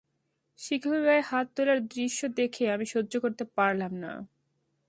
শিক্ষকের গায়ে হাত তোলার দৃশ্য দেখে আমি সহ্য করতে পারলাম না।